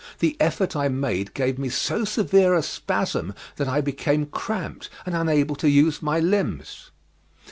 The effort I made gave me so severe a spasm that I became cramped and unable to use my limbs.